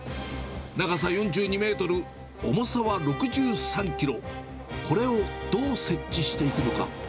長さ４２メートル、重さは６３キロ、これをどう設置していくのか。